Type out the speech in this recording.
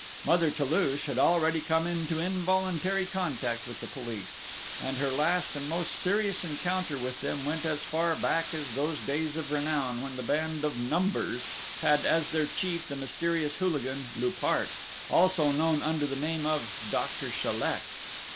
Mother Toulouche had already come into involuntary contact with the police; and her last and most serious encounter with them went as far back as those days of renown when the band of Numbers had as their chief the mysterious hooligan Loupart, also known under the name of Dr. Chaleck.